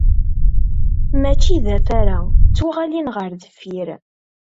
Mačči d afara, d tuɣalin ɣer deffir.